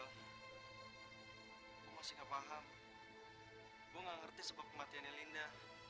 lo jangan balik dulu ya